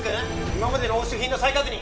今までの押収品の再確認！